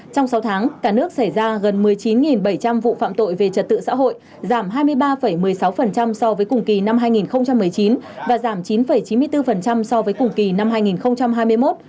trong sáu tháng cả nước xảy ra gần một mươi chín bảy trăm linh vụ phạm tội về trật tự xã hội giảm hai mươi ba một mươi sáu so với cùng kỳ năm hai nghìn một mươi chín và giảm chín chín mươi bốn so với cùng kỳ năm hai nghìn hai mươi một